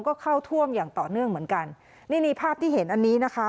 ก็เข้าท่วมอย่างต่อเนื่องเหมือนกันนี่นี่ภาพที่เห็นอันนี้นะคะ